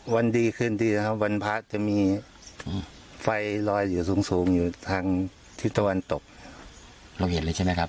วันดีขึ้นที่วันพระจะมีไฟลอยอยู่สูงอยู่ทางที่ตะวันตกเราเห็นเลยใช่ไหมครับ